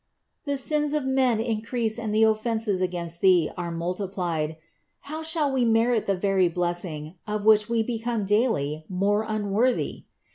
The sins of men increase and the offenses against Thee are multiplied ; how shall we merit the very blessing, of which we become daily more unworthy?